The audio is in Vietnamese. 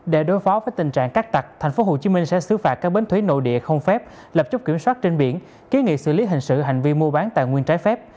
để đối phó với tình trạng cắt tặc tp hcm sẽ xứ phạt các bến thủy nội địa không phép lập chốt kiểm soát trên biển ký nghị xử lý hình sự hành vi mua bán tài nguyên trái phép